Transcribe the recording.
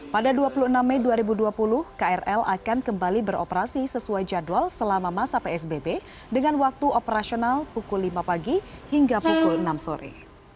pada dua puluh enam mei dua ribu dua puluh krl akan kembali beroperasi sesuai jadwal selama masa psbb dengan waktu operasional pukul lima pagi hingga pukul enam sore